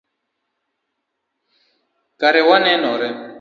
Kare wanenore